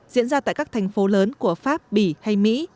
diễn ra tại các thành phố lớn của pháp bỉ hay mỹ